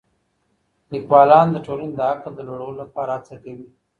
ليکوالان د ټولني د عقل د لوړولو لپاره هڅه کوي.